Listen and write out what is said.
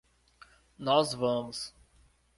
Nós vamos.